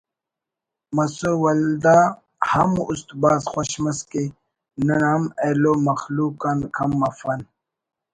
مسر ولدا ہم است بھاز خوش مس کہ نن ہم ایلو مخلوق آن کم افن